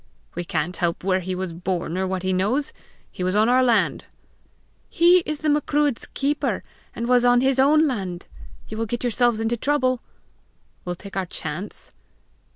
"We can't help where he was born or what he knows! he was on our land!" "He is the Macruadh's keeper, and was on his own land. You will get yourselves into trouble!" "We'll take our chance!"